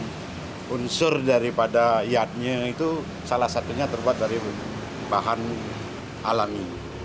dan unsur daripada iadnya itu salah satunya terbuat dari bahan alami